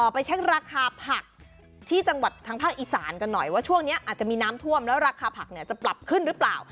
ไปเช็คราคาผักที่จังหวัดทางภาคอีสานกันหน่อยว่าช่วงนี้อาจจะมีน้ำท่วมแล้วราคาผักเนี่ยจะปรับขึ้นหรือเปล่า